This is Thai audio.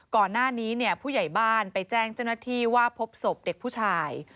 ก่อนหน้านี้เนี่ยผู้ใหญ่บ้านไปแจ้งเจ้าหน้าที่ว่าพบศพเด็กผู้ชาย